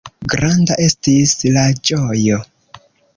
Granda estis la ĝojo!